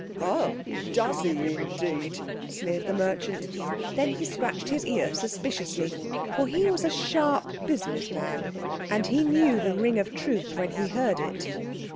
_" "Ho! does 'e indeed," sneered the merchant. Then he scratched his ear suspiciously, for he was a sharp business man, and he knew the ring of truth when he heard it.